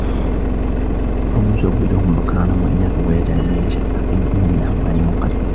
أو يزوجهم ذكرانا وإناثا ويجعل من يشاء عقيما إنه عليم قدير